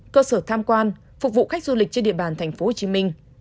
cơ sở tham quan phục vụ khách du lịch trên địa bàn tp hcm